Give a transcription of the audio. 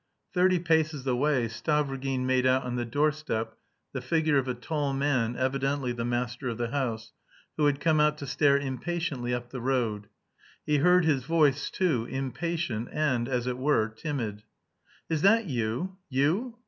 Thirty paces away Stavrogin made out on the doorstep the figure of a tall man, evidently the master of the house, who had come out to stare impatiently up the road. He heard his voice, too, impatient and, as it were, timid. "Is that you? You?"